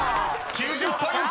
［９０ポイント！］